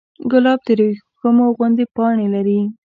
ګلاب د وریښمو غوندې پاڼې لري.